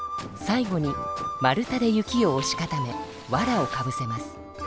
最後に丸太で雪をおし固めわらをかぶせます。